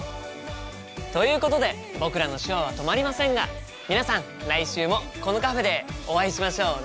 ということで僕らの手話は止まりませんが皆さん来週もこのカフェでお会いしましょうね。